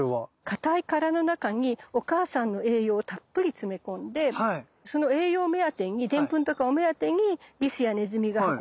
かたい殻の中にお母さんの栄養をたっぷり詰め込んでその栄養目当てにでんぷんとかを目当てにリスやネズミが運んで埋めるの。